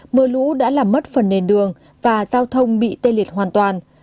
mưa lũ đã làm mất phần nền đường và giao thông bị tê liệt hoàn toàn